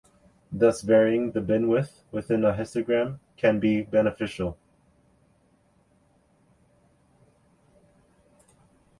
Thus varying the bin-width within a histogram can be beneficial.